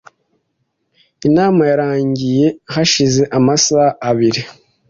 Inama yarangiye hashize amasaha abiri .